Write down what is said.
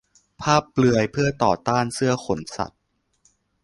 ภาพเปลือยเพื่อต่อต้านเสื้อขนสัตว์